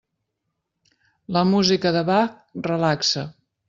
La música de Bach relaxa.